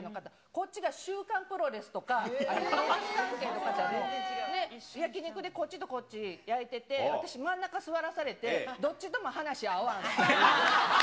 こっちが週刊プロレスとかプロレス関係の方で、焼き肉でこっちとこっち焼いてて、私真ん中座らされて、どっちとも話し合わんっていう。